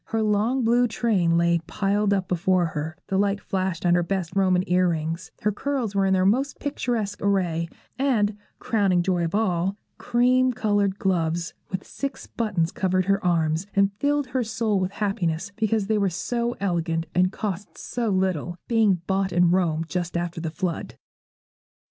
Her long blue train lay piled up before her, the light flashed on her best Roman ear rings, her curls were in their most picturesque array, and crowning joy of all cream coloured gloves, with six buttons, covered her arms, and filled her soul with happiness, because they were so elegant and cost so little, being bought in Rome just after the flood.